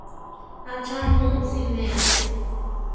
Atza mu simea? ‒.